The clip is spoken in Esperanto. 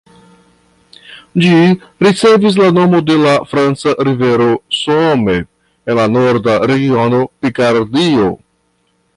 Ĝi ricevis la nomo de la franca rivero Somme, en la Norda regiono Pikardio.